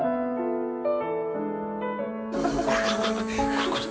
これこれ。